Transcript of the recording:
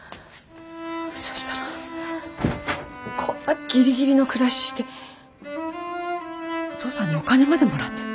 そしたらこんなギリギリの暮らししてお父さんにお金までもらってる。